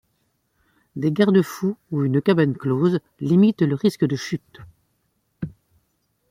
Des garde-fous ou une cabane close limitent le risque de chute.